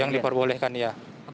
yang diperbolehkan iya